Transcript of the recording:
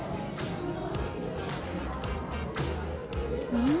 うん！